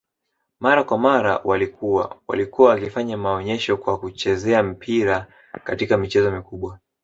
mara kwa mara walikua walikua wakifanya maonyesho kwa kuchezea mipira katika michezo mikubwa